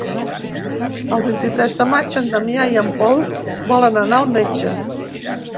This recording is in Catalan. El vint-i-tres de maig en Damià i en Pol volen anar al metge.